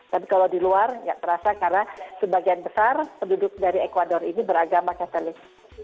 tapi kalau di luar tidak terasa karena sebagian besar penduduk dari ecuador ini beragama katolik